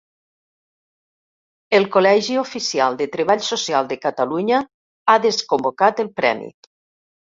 El Col·legi Oficial de Treball Social de Catalunya ha desconvocat el premi.